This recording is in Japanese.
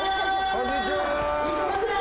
こんにちはー！